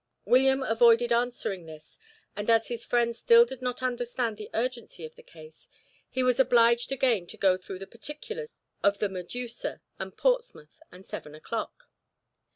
William avoided answering this, and as his friends still did not understand the urgency of the case, he was obliged again to go through the particulars of the Medusa, and Portsmouth, and seven o'clock.